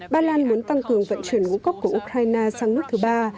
ba lan muốn tăng cường vận chuyển ngũ cốc của ukraine sang nước thứ ba